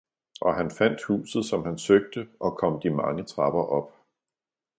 Og han fandt huset, som han søgte, og kom de mange trapper op